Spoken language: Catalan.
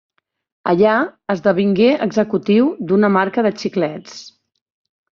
Allà, esdevingué executiu d'una marca de xiclets.